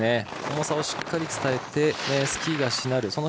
重さをしっかり伝えてスキーがしなる。